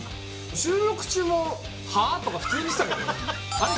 収録中も「ハァ？」とか普通に言ってたけど。